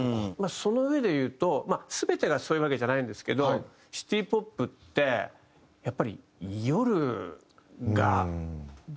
そのうえで言うと全てがそういうわけじゃないんですけどシティ・ポップってやっぱり。